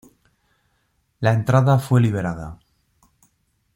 La entrada fue liberada.